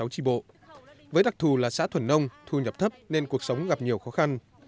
ba mươi sáu tri bộ với đặc thù là xã thuẩn nông thu nhập thấp nên cuộc sống gặp nhiều khó khăn